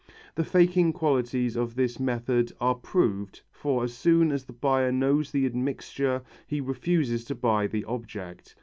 The faking qualities of this method are proved, for as soon as the buyer knows of the admixture he refuses to buy the object.